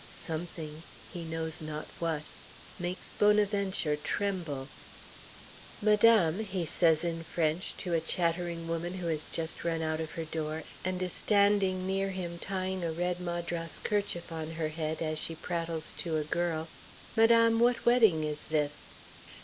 Something, he knows not what, makes Bonaventure tremble. "Madame," he says in French to a chattering woman who has just run out of her door, and is standing near him tying a red Madras kerchief on her head as she prattles to a girl, "madame, what wedding is this?"